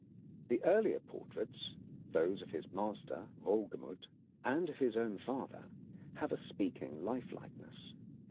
The earlier portraits, those of his master Wohlgemuth, and of his own father, have a speaking lifelikeness.